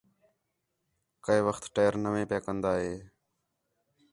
کَئے وخت ٹائر نوے پِیا کندا ہِے